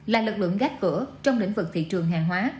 là lực lượng gác cửa trong lĩnh vực thị trường hàng hóa